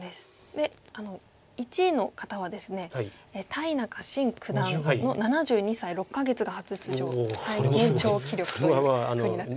で１位の方はですね鯛中新九段の７２歳６か月が初出場最年長記録というふうになっております。